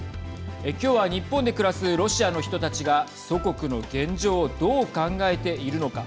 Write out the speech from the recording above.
今日は日本で暮らすロシアの人たちが祖国の現状をどう考えているのか。